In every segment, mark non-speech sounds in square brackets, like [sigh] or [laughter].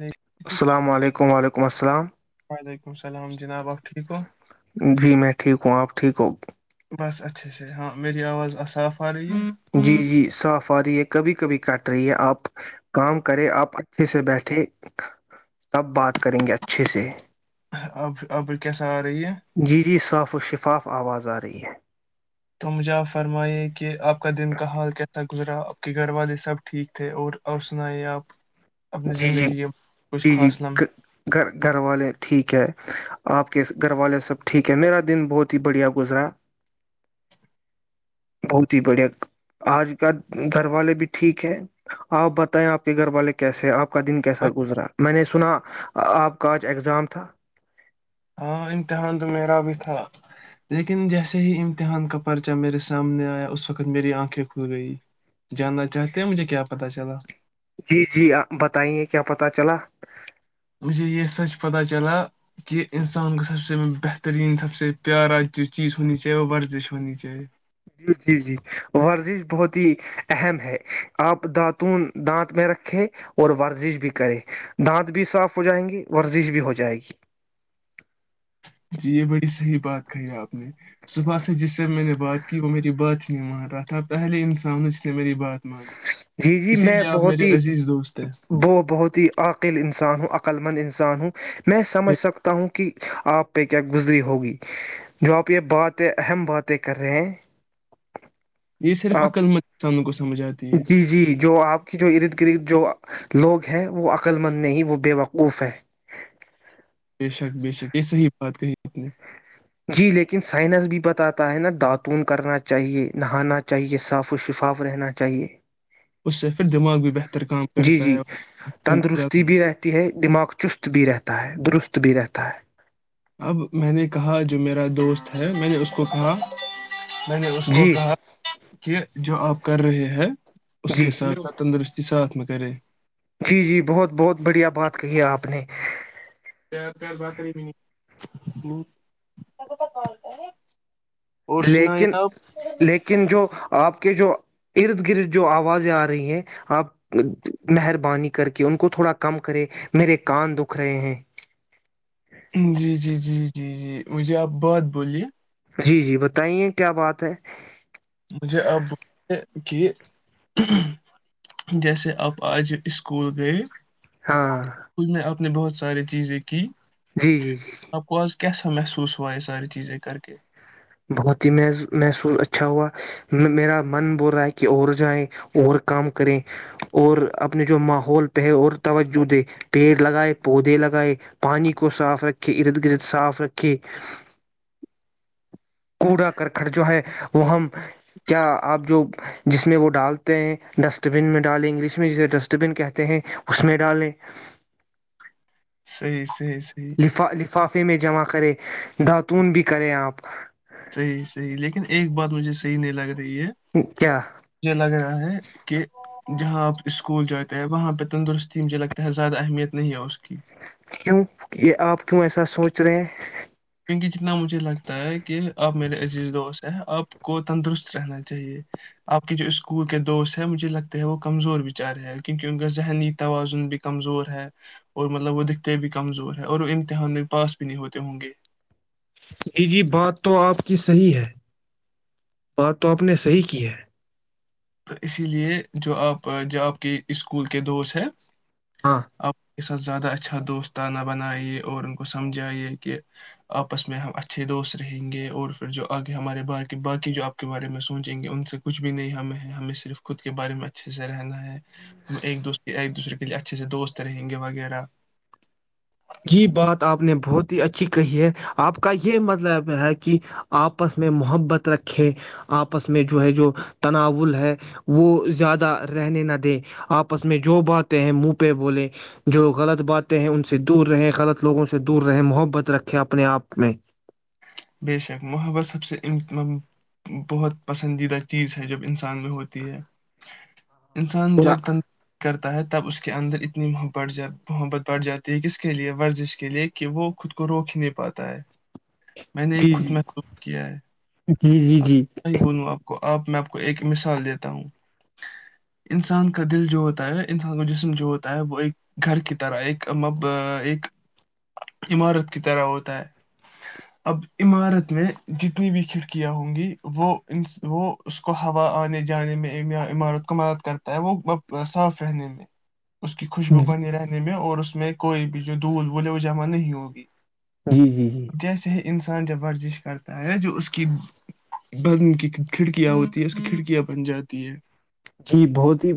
وعلیکم السلام علیکم وعلیکم السلام مسلام جناب آپر [unintelligible] ٹھیک ہو جی میں ٹھیک ہوں آپ ٹھیک ہو بس اچھے سے ہاں میری آواز آاف [unintelligible] جی جی صاف آ رہی ہے کبھی کبھی کٹ رہی ہے آپ کام کرے آپ اچھے سے بیٹھے تب بات کریں گے اچھے سے اب اب کے سات [unintelligible] جی جی صاف و شفاف آواز آ رہی ہے تو مجھے آپ فرمائیے کہ آپ کا دن کا حال کیسا گزرا آپ کے گھر والے سب ٹھیک تھے اور سنائی آپ اپنی جی جی زندگی کے کچھ جی جی خاص گ لمحے گھر والے ٹھیک ہے آپ کے گھر والے سب ٹھیک ہے میرا دن بہت ہی بڑھیا گزرا ہے بہت ہی بڑھیا آج کا گھر والے بھی ٹھیک ہے آپ بتائیں آپ کے گھر والے کیسے آپ [unintelligible] کا دن کیساتھ گزرا میں نے سنا آپ کا آج اگزام تھا ہاں امتحان تو میرا بھی تھا لیکن جیسے ہی امتحان کا پرچہ میرے سامنے آیا اس وقت میری آنکھیں کھل گئی جاننا چاہتے ہیں مجھے کیا پتا چلا [unintelligible] جی جی آپ بتائیے کیا پتہ چلا [unintelligible] مجھے یہ سچ پتہ چلا کہ انسان کو سب سے بہترین سب سے پیارا جو چیز ہونی چاہیے وہ ورزش ہونی چاہیے جی جی جی ورزش بہت ہی اہم ہے آپ داتون دانت میں رکھے اور ورزش بھی کرے دانت بھی صاف ہو جائیں گے ورزش بھی ہو جائے گی جی یہ بڑی صحی بات کہی آپ نے سبھا سےر جس سے میں نے بات کی وہ میری بات نہیں مان رہا تھا پہلے انسانوں اس نے میری بات مانی جی جی اسی میں لیے آپ بہت میرے ہی عزیز دوست ہیں وہ بہت ہی عقیل انسان ہوں قلمند انسان ہ میں بے- سمجھ سکتا ہوں کہ آپ پہ کیا گزری ہوگی جو آپ یہ باتیں اہم باتیں کر رہے ہیں یہ صرف آپ عقل مندان جی جی جو آپ کی جو ارد گرد جو لوگ ہیں وہ عقل مند نہیں وہ بے وقوف ہے بے شک بے یہ صحیح بات کہی آ نے جی لیکن سائنس بھی بتاتا ہے نا داتون کرنا چاہیے نہانا چاہیے صاف و شفاف رہنا چاہیے اس سے پھر دماغ بھی بہتر کام جی کرتا جی ہے تندرستی بھی رہتی ہے دماغ چست بھی رہتا ہے درست بھی رہتا ہے اب میں نے کہا جو میرا دوست ہے میں نے اس کو کہا میں نے اس کو جی کہا کہ جو آپ کر رہے ہیں اس جی کے ساتھ ساتھ تندرستی ساتھ میں کرے [unintelligible] جی جی بہت بہت بڑھیا بات کہی ہے آپ نے تار تار باتری م [unintelligible] لیکن لیکن جو آپ آ کے جو ارد گرد جو آوازیں آ رہی ہے آپ مہربانی کر کے ان کو تھوڑا کم کرے میرے کان دکھ رہے ہیں جی جی جی جی جی مجھے آپ بات بولیے جی جی بتائیے کیا بات ہے مجھے آپ بولیے کہ جیسے آپ آج اسکول گئے ہاں کھ میں اب نے بہت سارے چیزیں کی جی جی جی آپ کو آج کیسا محسوس ہوا یہ ساری چیزیں کر کے بہت ہی مح محسوس اچھا ہوا میرا من بول رہا ہے کہ اور جائیں اور کام کریں اور اپنے جو ماحول پہے اور توجہ دے پیڑ لگائے پودے لگائے پانی کو صاف رکھے ارد گرد صاف رکھے کوڑا کرکھڑ جو ہے وہ ہم کیا آپ جو جس میں وہ ڈالتے ہیں ڈسٹ بن میں ڈالیں انگلش میں جسے ڈسٹ بن کہتے ہیں اس میں ڈالیں صحیح صحیح صحیح لفافے میں جمع کریں داتون بھی کریں اپ صحیح صحیح لیکن ایک بات مجھے صحی نہیں لگا رہی ہے کیا مجھے لگ رہا ہے کہ جہاں آپ اسکول جاتے ہیں وہاں پہ تندرستی مجھے لگتا ہے زیادہ اہمیت نہیں ہے اس کی کیوں یہ آپ کیوں ایسا سوچ رہے ہیں کیونکہ جتنا مجھے لگتا ہے کہ آپ میرے عزیز دوست ہے آپ کو تندرست رہنا چاہیے آپ کے جو اسکول کے دوست ہے مجھے لگتا ہے وہ کمزور بچارے ہے کیونکہ ان کا ذہنی توازن بھی کمزور ہے اور مطلب وہ دکھتے بھی کمزور ہے اور وہ امتحان میں پاس بھی نہیں ہوتے ہوں گے جی جی بات تو آپ کی صحیح ہے بات تو آپ نے صحیح کی ہے تو اسی لے جو آپ جو آپ کے اسکول کے دوست ہیں ہاں آپ [unintelligible] اس ساتھ زیادہ اچھا دوستانہ بنائیے اور ان کو سمجھائیے کہ آپس میں ہم اچھے دوست رہیں گے اور پھر جو آگے ہمارے با باقی جو آپ کے بارے میں سوچیں گے ان سے کچھ بھی نہیں ہمیں ہمیں صرف خود کے بارے میں اچھے سے رہنا ہے ہم ایک دوسرے [unintelligible] دوسرے کے لیے اچھے سے دوست رہیں گے وغیرہ جی بات آپ نے بہت ہی اچھی کہی ہے آپ کا یہ مطلب ہے کہ آپس میں محبت رکھے آپس میں جو ہے جو تناول ہے وہ زیادہ رہنے نہ دیں آپس میں جو باتیں ہیں منہ پہ بولے جو غلط باتیں ہیں ان سے دور رہے غلط لوگوں سے دور رہے محبت رکھے اپنے آپ میں بے شک محبت سب سے بہت پسندیدہ چیز ہے جب انسان میں ہوتی ہے انسان پورا۔ جب تندی کرتے تب اس کے اندر اتنی محبت بڑھ جاتی ہے کس کے لیئے ورزش کے لیئے کہ وہ خود کو روک نہیں پاتا ہے میں نے ایک جی خود جی محسوس کیا ہے جی جی اب جی بولوں آپ کو آپ [unintelligible] میں آپ کو ایک مثال دیتا ہوں انسان کا دل جو ہوتا ہے انسان کا جسم جو ہوتا ہے وہ ایک گھر کی طرح ایک مب ایک عمارت کی طرح ہوتا ہے اب عمارت میں جتنی بھی کھڑک کیا ہوں گی وہ وہ اس کو ہوا آنے جانے میں یا عمارت کو مدد کرتا ہے وہ صاف رہنے میں اس کی خوشبو جی بنی رہنے میں اور اس اس میں کوئی بھی جو دھول وہولے وہ جمع نہیں ہوگی جی جی جی جیسے ہی انسان جوب ورزش کرتا ہے جو اس کی بد کی کھڑکیاں ہوتی ہے اس کی کھڑکیاں بن جاتی ہے جی بہت ہی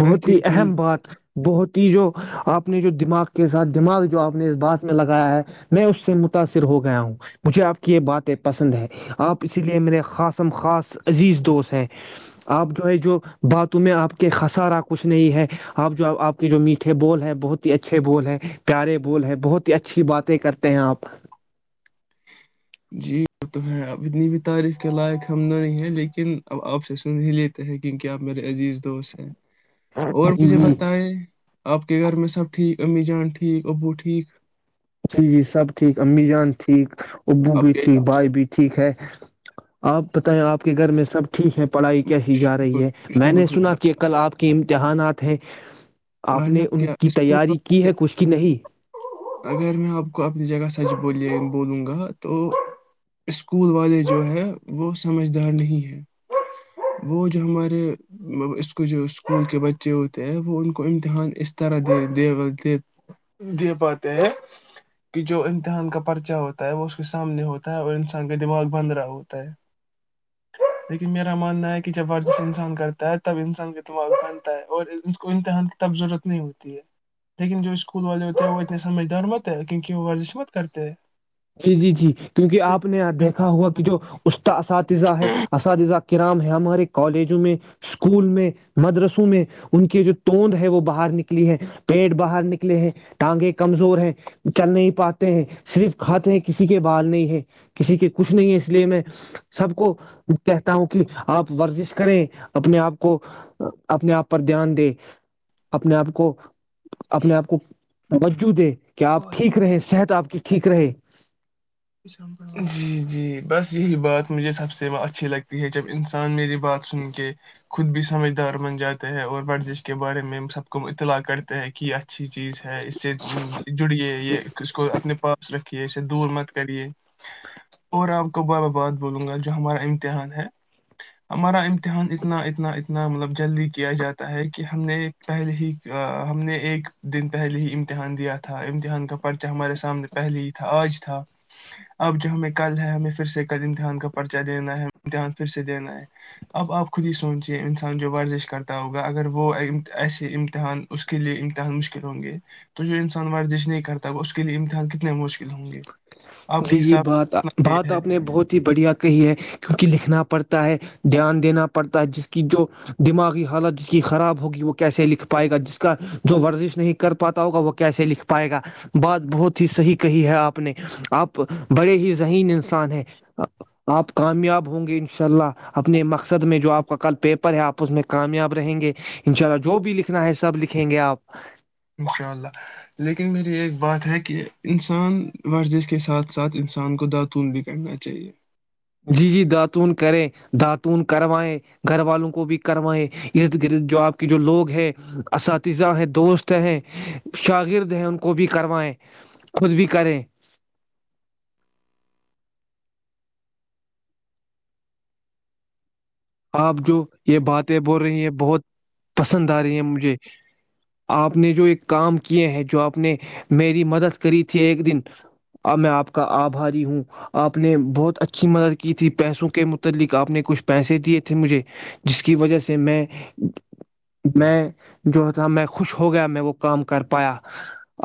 بہت ویسے ہی تن اہم بات بہت ہی جو آپ نے جو دماغ کے ساتھ دماغ جو آپ نے اس بات میں لگایا ہے میں اس سے متاثر ہو گیا ہوں مجھے آپ کی یہ باتیں پسند ہے آپ اسی لیے میرے خاصم خاص عزیز دوست ہیں آپ جو ہے جو باتوں میں آپ کے خسارا کچھ نہیں ہے آپ جو آپ کے جو میٹھے بول ہے بہت ہی اچھے بول ہے پیارے بول ہے بہت ہی اچھی باتیں کرتے ہیں آپ جی تو ہے اب اتنی بھی تعریف کے لائق ہم تو نہیں ہے لیکن اب آپ سے سن ہی لیتے ہیں کی کیا میرے عزیز دوست ہیں اور جی مجھے جی بتائے آپ کے گھر میں سب ٹھیک امی جان ٹھیک ابو ٹھیک جی جی سب ٹھیک امی جان ٹھیک ابو آپ بھی کے ٹھیک بھائی بھی ٹھیک ہے آپ بتائیں آپ کے گھر میں سب ٹھیک ہے پڑھائی کیسی جا شکر رہی ہے میں شکر نے سنا خدا کہ کل آپ کے امتحانات ا [inaudible] آپ ورنہ نے ان کیا کی اسکول تیاری کی ہے والے کچھ کی نہیں اگر آپ کو اپنی جگہ س بولوں گا تو اسکول والے جو ہے وہ سمجھدار نہیں ہے وہ جو ہمارے اس جو اسکول کے بچے ہوتے ہیں وہ ان امتحان اس طرح دے پاتے ہیں کہ جو امتحان کا پرچہ ہوتا ہے وہ اس کے سامنے ہوتا ہے اور انسان کا دماغ بن رہا ہوتا ہے لیکن میرا ماننا ہے کہ جب ورزش انسان کرتا ہے تب انسان کا دماغ بنتا ہے اور اس کو امتحان تب ضرورت نہیں ہوتی ہے لیکن جو اسکول والے ہوتے ہیں وہ اتنے سمجھدار مت ہے کیونکہ وہ ورزش مت کرتے ہیں جی جی جی کیونکہ آپ نے دیکھا ہوگا کہ جو استاد اساتذہ اساتذہ ہے اساتذہ کرام ہے ہمارے کالجوں میں اسکول میں مدرسوں میں ان کی جو توند ہے وہ باہر نکلی ہے پیٹ باہر نکلے ہیں ٹانگے کمزور ہیں چل نہیں پاتے ہیں صرف کھاتے ہیں کسی کے بال نہیں ہے کسی کے کچھ نہیں ہے اس لیے میں سب کو کہتا ہوں کہ آپ ورزش کریں اپنے آپ کو اپنے آپ پر دھیان دے اپنے آپ کو اپنے آپ کو توجہ دے کہ آپ ہیں ٹھیک رہے صحت آپ کی ٹھیک رہے [inaudible] جی جی بس یہی بات مجھے سب سے اچھی لگتی ہے جب انسان میری بات سن کے خود بھی سمجھدار بن جاتے ہے اور ورزش کے بارے میں ہم سب کو اطلاع کرتے ہے کہ یہ اچھی چیز ہے اسے جڑیے یہ اس کو اپنے پاس رکھ کیے اسے دور مت کریے اور آپ کو بابا بات بولوں گا جو ہمارا امتحان ہے ہمارا امتحان اتنا اتنا اتنا مطلب جلدی کیا جاتا ہے کہ ہم نے پہلے ہی ہم نے ایک دن پہلے ہی امتحان دیا تھا امتحان کا پرچہ ہمارے سامنے پہلے ہی تھا آج تھا اب جو ہمیں کل ہے ہمیں پھر سے کل امتحان کا پرچہ دینا ہے امتحان پھر سے دینا ہے اب آپ خود ہی سوچیے انسان جو ورزش کرتا ہوگا اگر وہ ایسے امتحان اس کے لیے امتحان مشکل ہوں گے تو جو انسان ورزش نہیں کرتا ہوگا اس کے لیے امتحان کتنے مشکل ہ ٹھیک ہے [inaudible] جی جی بات کتنا یہ بات ہے آپ نے بہت ہی بڑھیا کہی ہے کیونکہ لکھنا پڑھتا ہے دھیان دینا پڑھتا ہے جس کی جو دماغی حالت جس کی خراب ہوگی وہ کیسے لکھ پائے گا جس کا جو ورزش نہیں کر پاتا ہوگا وہ کیسے لکھ پائے گا بات بہت ہی صحیح کہی ہے آپ آپ نے آپ بڑے ہی ذہین انسان ہے آپ کامیاب ہوں گے انشاء اللہ اپنے مقصد میں جو آپ کا کل پیپر ہے آپ اس میں کامیاب رہیں گے انشاء اللہ جو بھی لکھنا ہے سب لکھیں گے آپ انشاء اللہ لیکن میری ایک بات ہے کہ انسان ورزش کے ساتھ ساتھ انسان کو داتون بھی کرنا چاہیئے جی جی داتون کریں داتون کروائیں گھر والوں کو بھی کروائیں ارد گرد جو آپ کے جو لوگ ہیں اساتذہ ہیں دوست ہیں شاگرد ہیں ان کو بھی کروائیں خود بھی کریں آپ جو یہ باتیں بول رہے ہیں بہت پسند آ رہی ہیں مجھے آپ نے جو ایک کام کیے ہیں جو آپ نے میری مدد کری تھی ایک دن اب میں آپ کا آبھاری ہوں آپ نے بہت اچھی مدد کی تھی پیسوں کے متعلق آپ نے کچھ پیسے دیے مجھے جس کی وجہ سے میں میں جو تھا میں خوش ہو گیا میں وہ کام کر پایا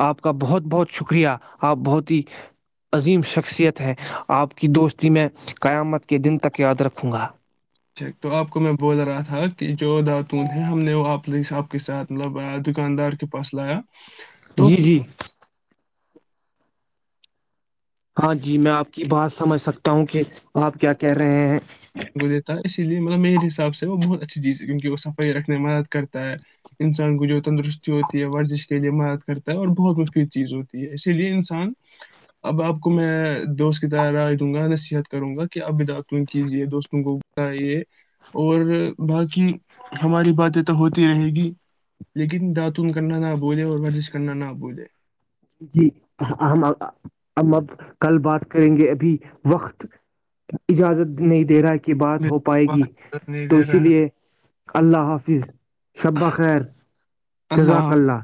آپ کا بہت بہت شکریہ آپ بہت ہی عظیم شخصیت ہے آپ کی دوستی میں قیامت کے دن تک یاد رکھوں گا تو آپ کو میں بول رہا تھا کہ جو داتون ہے ہم نے وہ آپ کے ساتھ مطلب دکاندار کے پاس لایا تو جی جی ہاں جی میں آپ کی بات سمجھ سکتا ہوں کہ آپ کیا کہہ رہے ہیں [inaudible] اسی لیے مطلب میرے حساب سے وہ بہت اچھی چیز ہے کیونکہ وہ صفائی رکھنے میں مدد کرتا ہے انسان کو جو تندرستی ہوتی ہے ورزش کے لیے مدد کرتا ہے اور بہت مفید چیز ہوتی ہے اسی لیے انسان اب آپ کو میں دوست کی طرح رائے دوں گا نصیحت کروں گا کہ آپ بھی داتون کیجیے دو دوستوں کو بتائیے اور باقی ہماری باتیں تو ہوتی رہے گی لیکن داتون کرنا نہ بھولے اور ورزش کرنا نہ بھولے جی ہم ہم اب کل بات کریں گے ابھی وقت اجازت نہیں دے رہا کی بات ہو پائے گی وقت نہیں تو دے اسی رہا لیے اللہ حافظ ہے شبہ خیر جزاک اللہ